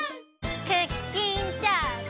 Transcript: クッキンチャージ！